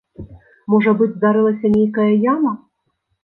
Можа быць, здарылася нейкая яма?